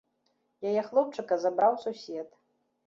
Яе хлопчыка забраў сусед.